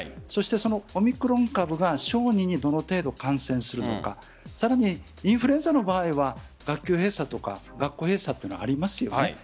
そしてそのオミクロン株が小児にどの程度感染するのかさらに、インフルエンザの場合は学級閉鎖とか学校閉鎖がありますよね。